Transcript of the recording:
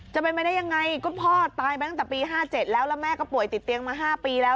จะเป็นไปได้ยังไงก็พ่อตายไปตั้งแต่ปี๕๗แล้วแล้วแม่ก็ป่วยติดเตียงมา๕ปีแล้ว